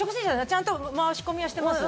ちゃんと申し込みはしてます。